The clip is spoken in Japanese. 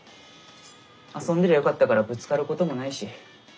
遊んでりゃよかったからぶつかることもないし。